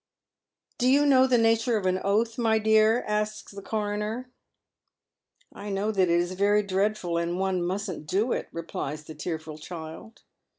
" Do you know the nature of an oath, my dear ?" asks the coroner. " I know that it is very dreadful, and one mustn't do it," replies the tearful child.